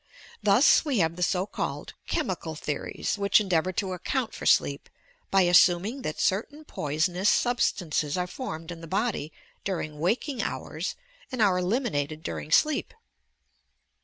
Thus we have the so ealled "chemical theories," which endeavour to account for sleep by as suming that certain poisonous substances are formed in the body during waking hours and are eliminated during sleep.